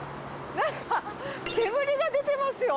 なんか煙が出てますよ。